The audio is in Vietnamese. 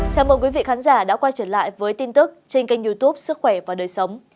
chào mừng quý vị khán giả đã quay trở lại với tin tức trên kênh youtube sức khỏe và đời sống